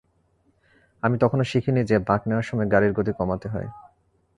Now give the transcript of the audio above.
আমি তখনো শিখিনি যে, বাঁক নেওয়ার সময় গাড়ির গতি কমাতে হয়।